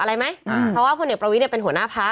อะไรไหมอืมเพราะว่าพ่อเนยกประวิทเนี้ยเป็นหัวหน้าพัก